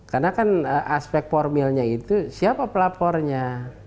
karena kan aspek formilnya itu siapa pelapornya